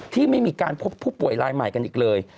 ที่ไม่มีการพบผู้ป่วยลายใหม่กันอีกเลย